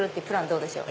どうでしょう？